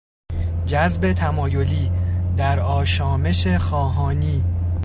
جذب تمایلی، در آشامش خواهانی